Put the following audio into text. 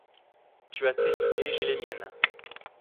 Tu as tes idées, j’ai les miennes.